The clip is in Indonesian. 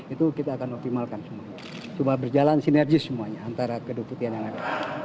itu kita akan optimalkan cuma berjalan sinergi semuanya antara kedua putian yang ada